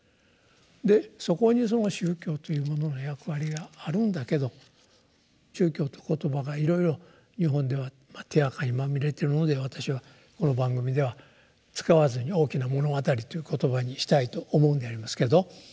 でそこに「宗教」というものの役割があるんだけど「宗教」って言葉がいろいろ日本では手あかにまみれているので私はこの番組では使わずに「大きな物語」っていう言葉にしたいと思うんでありますけど。